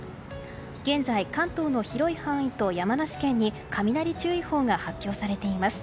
現在、関東の広い範囲と山梨県に雷注意報が発表されています。